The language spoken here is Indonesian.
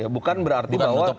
bukan berarti bahwa